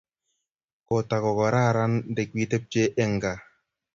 Kotagararan ndikwetepche eng ngaa